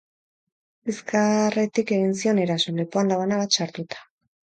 Bizkarretik egin zion eraso, lepoan labana bat sartuta.